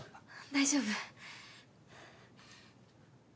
大丈夫。